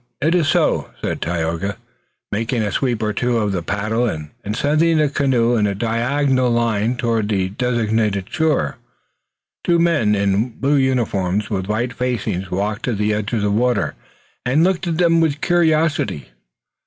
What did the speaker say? "It is so," said Tayoga, making a sweep or two of the paddle, and sending the canoe in a diagonal line toward the designated shore. Two men in blue uniforms with white facings walked to the edge of the water and looked at them with curiosity.